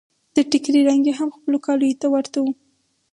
د ټکري رنګ يې هم خپلو کاليو ته ورته و.